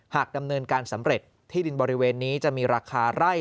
ดำเนินการสำเร็จที่ดินบริเวณนี้จะมีราคาไร่